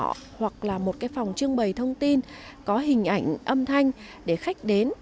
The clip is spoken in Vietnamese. chúng ta có một phòng trưng bày thông tin có hình ảnh âm thanh để khách đến